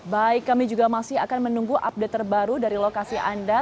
baik kami juga masih akan menunggu update terbaru dari lokasi anda